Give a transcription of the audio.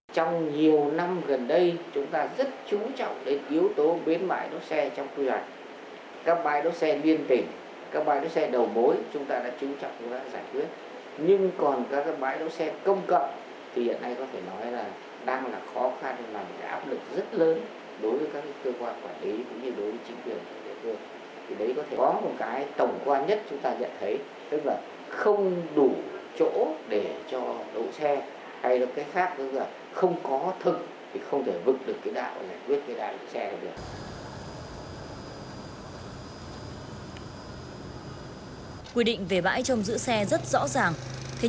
trong nhiều năm gần đây chúng ta rất chú trọng đến yếu tố biến bãi đỗ xe trong quy hoạch các bãi đỗ xe viên tỉnh